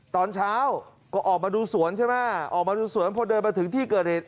ตอนเช้าก็ออกมาดูสวนใช่ไหมออกมาดูสวนพอเดินมาถึงที่เกิดเหตุ